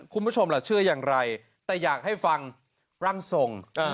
คุณผู้ชมล่ะเชื่ออย่างไรแต่อยากให้ฟังร่างทรง